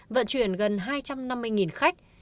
vận chuyển gần hai trăm năm mươi khách